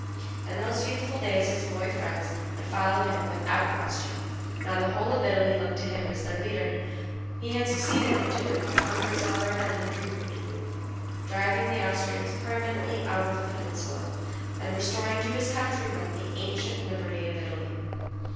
In those youthful days his boy friends had followed him without question, now the whole of Italy looked to him as their leader; he had succeeded in doing what hundreds of other men had dreamed of doing, driving the Austrians permanently out of the peninsula, and restoring to his countrymen the ancient liberty of Italy.